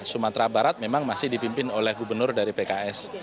sumatera barat memang masih dipimpin oleh gubernur dari pks